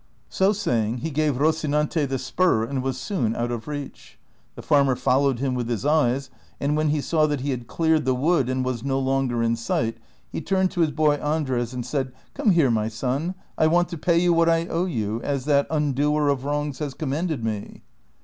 So saying, he gave Rocinante the spur and was soon out of reach. The farmer followed him with his eyes, and when he saw that he had cleared the wood and was no longer in sight, he turned to his boy Andres, and said, " Come here, my son, I want to pay you what I owe you, as that imdoer of Avrongs has commanded me."